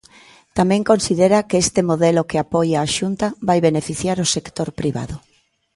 Tamén considera que este modelo que apoia a Xunta vai "beneficiar" o sector privado.